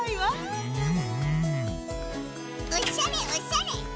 おしゃれおしゃれ！